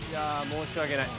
申し訳ない。